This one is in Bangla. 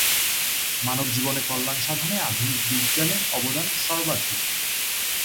মানবজীবনের কল্যাণসাধনে আধুনিক বিজ্ঞানের অবদান সর্বাধিক।